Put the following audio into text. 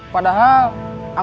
jadi apa kan